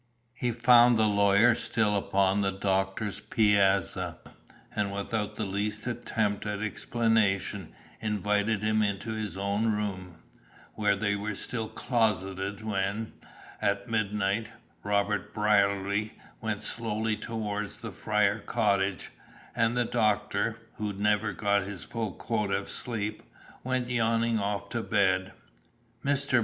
He found the lawyer still upon the doctor's piazza, and without the least attempt at explanation invited him into his own room, where they were still closeted when, at midnight, Robert Brierly went slowly toward the Fry cottage, and the doctor, who never got his full quota of sleep, went yawning off to bed. Mr.